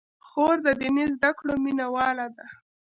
خور د دیني زدکړو مینه واله ده.